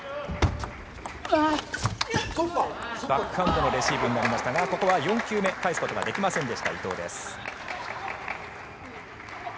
バックハンドのレシーブになりましたがここは４球目返すことができませんでした伊藤です。